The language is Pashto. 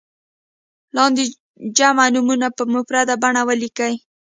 لاندې جمع نومونه په مفرد بڼه ولیکئ.